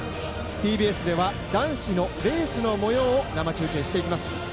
ＴＢＳでは男子のレースの模様を生中継していきます。